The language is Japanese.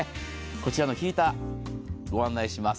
こちらのヒーター、ご案内します。